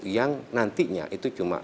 yang nantinya itu cuma